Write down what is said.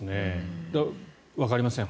わかりません。